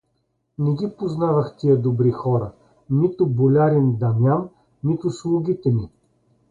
— Не ги познавах тия добри хора, нито болярин Дамян, нито слугите ми.